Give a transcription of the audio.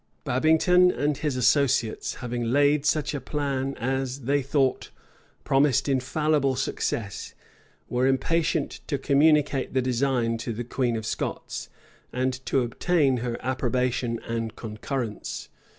Babington and his associates, having laid such a plan as, they thought, promised infallible success, were impatient to communicate the design to the queen of Scots, and to obtain her approbation and concurrence.